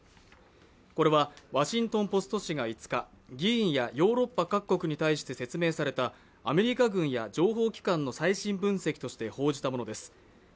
これは「ワシントン・ポスト」紙が５日、議員やヨーロッパ各国に対して説明されたアメリカ軍や情報機関の最新分析として報じたものです。